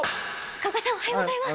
中岡さんおはようございます！